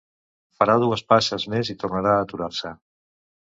Farà dues passes més i tornarà a aturar-se.